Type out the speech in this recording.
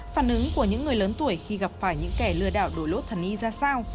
phản ứng của những người lớn tuổi khi gặp phải những kẻ lừa đảo đổi lốt thần y ra sao